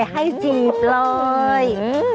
ให้จีบเลย